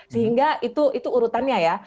sehingga itu urutannya ya